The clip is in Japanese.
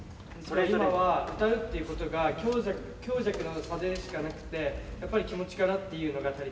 今は歌うっていうことが強弱の差でしかなくてやっぱり気持ちかなっていうのが足りてないと思います。